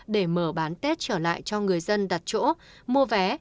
để mở bán tết trở lại cho người dân đặt chỗ mua vé